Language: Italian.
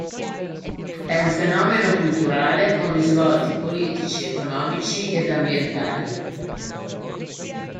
È un fenomeno culturale con risvolti politici, economici ed ambientali.